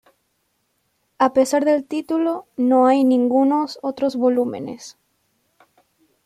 A pesar del título, no hay ningunos otros volúmenes.